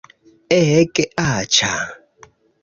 Ege aĉa